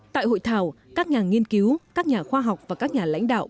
tại hội thảo các nhà nghiên cứu các nhà khoa học và các nhà lãnh đạo